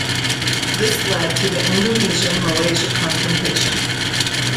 This led to the Indonesia-Malaysia confrontation.